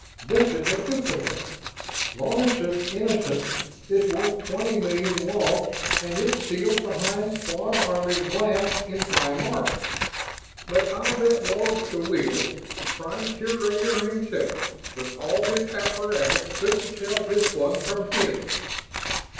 This is a duplicate! Lawrence's 'Innocent' is worth twenty million wogs and it's sealed behind quad armor glass in Prime Art but I'll bet wogs to wiggles the Prime Curator himself, with all his apparatus, couldn't tell this one from his!"